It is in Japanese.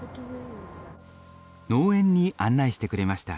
農園に案内してくれました。